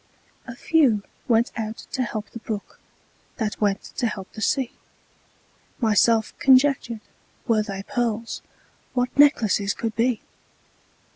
A few went out to help the brook, That went to help the sea. Myself conjectured, Were they pearls, What necklaces could be!